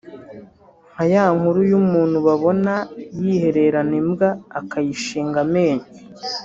nka ya nkuru y’umuntu babona yihererana imbwa akayishinga amenyo